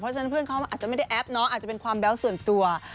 เพราะฉะนั้นเพื่อนเขาอาจจะไม่ได้แอปเนาะอาจจะเป็นความแบ๊วส่วนตัว